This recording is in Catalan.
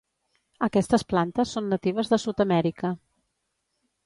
Aquestes plantes són natives de Sud-amèrica.